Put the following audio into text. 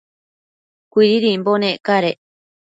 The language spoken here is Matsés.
Cuididimbo nec cadec aid